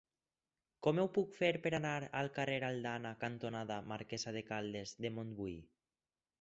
Com ho puc fer per anar al carrer Aldana cantonada Marquesa de Caldes de Montbui?